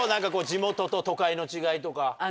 地元と都会の違いとか。